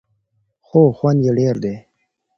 خو خوند یې ډېر دی.